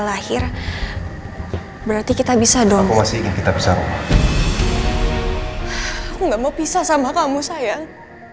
aku gak mau pisah sama kamu sayang